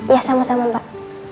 ya sama sama mbak